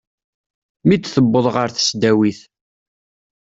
Mi d-tewweḍ ɣer tesdawit.